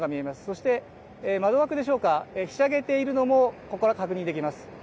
そして窓枠でしょうか、ひしゃげているのもここから確認できます。